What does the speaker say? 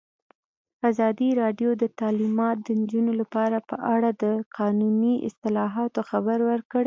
ازادي راډیو د تعلیمات د نجونو لپاره په اړه د قانوني اصلاحاتو خبر ورکړی.